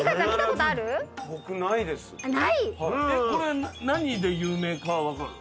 これ何で有名かは分かる？